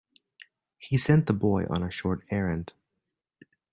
He sent the boy on a short errand.